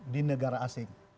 di negara asing